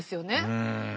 うん。